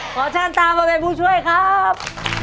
พ่อช่างตามาเป็นผู้ช่วยครับ